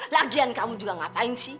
lagian kamu juga ngapain sih